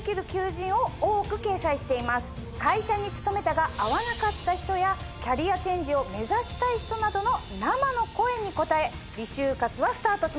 会社に勤めたが合わなかった人やキャリアチェンジを目指したい人などの生の声に応えＲｅ就活はスタートしました。